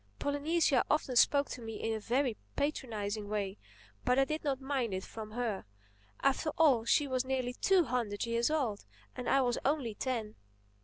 Polynesia often spoke to me in a very patronizing way. But I did not mind it from her. After all, she was nearly two hundred years old; and I was only ten.